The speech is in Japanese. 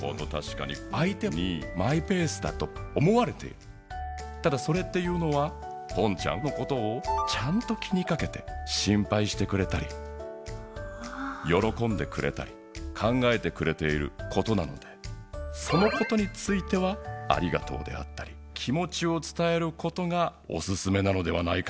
たしかにただそれっていうのはポンちゃんのことをちゃんと気にかけて心ぱいしてくれたりよろこんでくれたり考えてくれていることなのでそのことについては「ありがとう」であったり気持ちを伝えることがおすすめなのではないかなと。